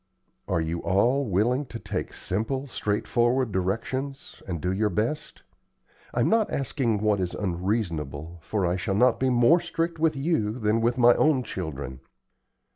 "Are you all willing to take simple, straightforward directions, and do your best? I'm not asking what is unreasonable, for I shall not be more strict with you than with my own children."